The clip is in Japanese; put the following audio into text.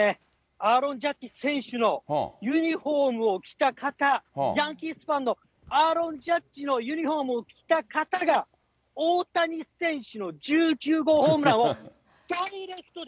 アーロン・ジャッジ選手のユニホームを着た方、ヤンキースファンのアーロン・ジャッジのユニホームを着た方が、大谷選手の１９号ホームランをダイレクトで。